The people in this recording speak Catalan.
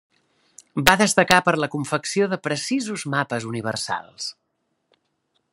Va destacar per la confecció de precisos mapes universals.